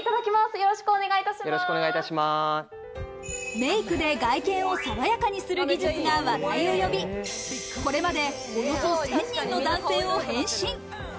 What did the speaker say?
メイクで外見を爽やかにする技術が話題を呼び、これまでおよそ１０００人の男性を変身。